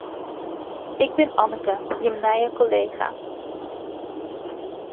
Ik bin Anneke, jim nije kollega.